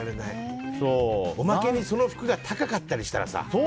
おまけにその服が高かったりしたらさ。